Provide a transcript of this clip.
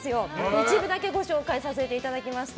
一部だけご紹介させていただきました。